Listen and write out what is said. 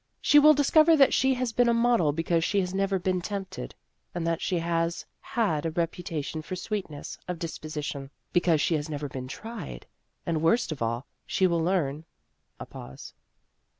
She will discover that she has been a model because she has never been tempted, and that she has had a reputation for sweetness of disposi tion because she has never been tried. And worst of all, she will learn " a pause.